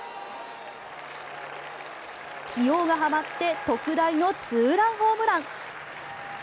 起用がはまって特大のツーランホームラン。